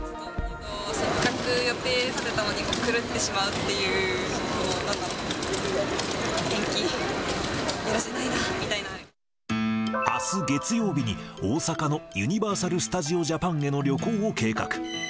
せっかく予定立てたのに、狂ってしまうっていう、なんか、あす月曜日に、大阪のユニバーサル・スタジオ・ジャパンへの旅行を計画。